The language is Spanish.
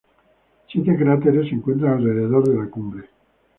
Siete cráteres se encuentran alrededor de la cumbre.